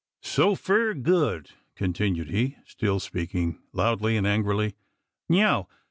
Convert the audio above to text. "So fur good!" continued he, still speaking loudly and angrily. "Neow!